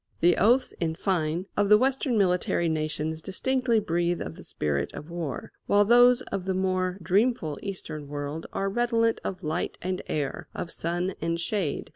The oaths, in fine, of the Western military nations distinctly breathe of the spirit of war, while those of the more dreamful Eastern world are redolent of light and air, of sun and shade.